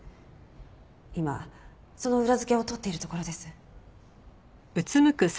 今その裏付けを取っているところです。